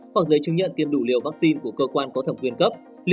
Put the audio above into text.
hoặc giấy chứng nhận tiêm đủ liều vaccine của cơ quan có thẩm quyền cấp